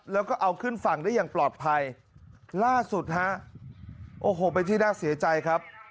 แล้วก็เอาขึ้นฝั่งได้อย่างปลอดภัยล่าสุดฮะโอ้โหเป็นที่น่าเสียใจครับ